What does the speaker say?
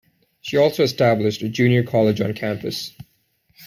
She also established a junior college on campus.